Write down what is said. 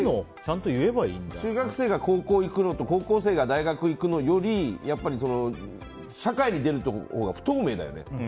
中学生が高校行くのと高校生が大学行くのより社会に出るところが不透明だよね。